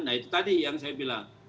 nah itu tadi yang saya bilang